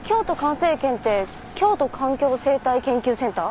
生研って京都環境生態研究センター？